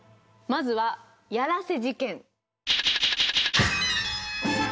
まずはやらせ事件。